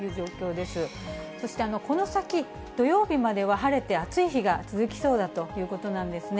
そして、この先、土曜日までは晴れて、暑い日が続きそうだということなんですね。